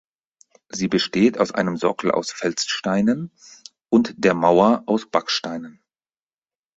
Sie besteht aus einem Sockel aus Feldsteinen und der Mauer aus Backsteinen.